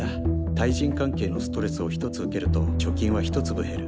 対人関係のストレスを１つ受けると貯金は１粒減る。